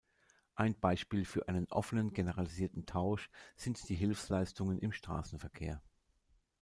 Ein Beispiel für einen offenen generalisierten Tausch sind die Hilfsleistungen im Straßenverkehr.